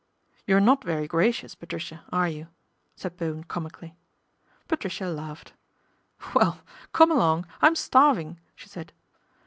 ' You're not very gracious, Patricia, are you ?" said Bowen comically. Patricia laughed. " Well, come along, I'm starving," she said.